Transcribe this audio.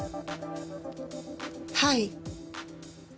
はい。